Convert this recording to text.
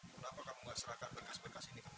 kenapa kamu gak serahkan bekas bekas ini ke miranda